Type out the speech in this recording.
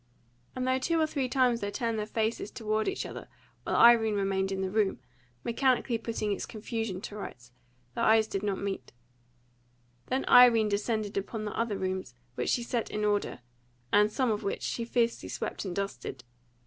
And, though two or three times they turned their faces toward each other while Irene remained in the room, mechanically putting its confusion to rights, their eyes did not meet. Then Irene descended upon the other rooms, which she set in order, and some of which she fiercely swept and dusted.